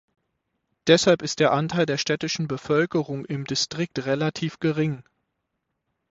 Deshalb ist der Anteil der städtischen Bevölkerung im Distrikt relativ gering.